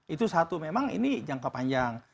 itu satu memang ini jangka panjang